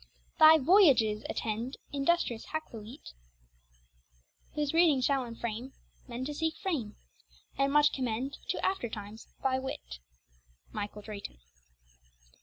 Thy Voyages attend Industrious Hackluit, Whose reading shall inflame Men to seek fame, And much commend To after times thy wit. MICHAEL DRAYTON.